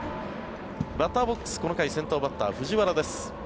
バッターボックスこの回、先頭バッター藤原です。